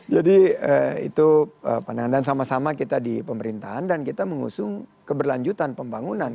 jadi itu pandangan dan sama sama kita di pemerintahan dan kita mengusung keberlanjutan pembangunan